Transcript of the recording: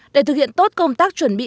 để thực hiện tốt công tác chuẩn bị